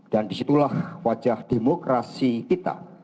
dan disitulah wajah demokrasi kita